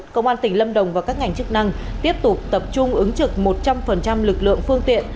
công an tỉnh lâm đồng và các ngành chức năng tiếp tục tập trung ứng trực một trăm linh lực lượng phương tiện